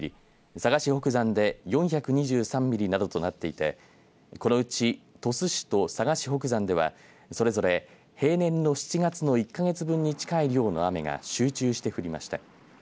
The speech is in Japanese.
佐賀市北山で４２３ミリなどとなっていてこのうち鳥栖市と佐賀市北山ではそれぞれ平年の７月の１か月分に近い量の雨が集中して降りました。